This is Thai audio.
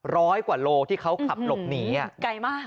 ร้อยกว่าโลที่เขาขับหลบหนีอ่ะไกลมาก